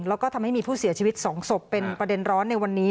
แล้วก็ทำให้มีผู้เสียชีวิต๒ศพเป็นประเด็นร้อนในวันนี้